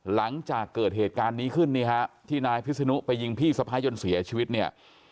หลังจากเกิดเหตุการณ์นี้ขึ้นนี่ฮะที่นายพิศนุไปยิงพี่สะพ้ายจนเสียชีวิตเนี่ย